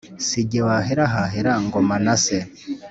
Si jye wahera hahera Ngoma na se